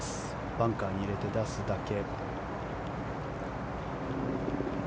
バンカーに入れて出すだけ。